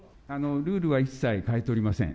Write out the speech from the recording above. ルールは一切変えておりません。